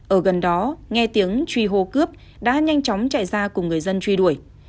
ở gần đó nghe tiếng trì hồ cướp đã nhanh chóng chạy ra cùng người dân truy đuổi